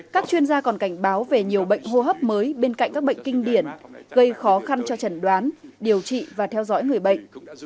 các chuyên gia còn cảnh báo về nhiều bệnh hô hấp mới bên cạnh các bệnh kinh điển gây khó khăn cho trần đoán điều trị và theo dõi người bệnh